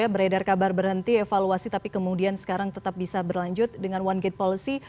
beredar kabar berhenti evaluasi tapi kemudian sekarang tetap bisa berlanjut dengan one gate policy